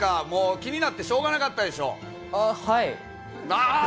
気になってしょうがなかったでしょ？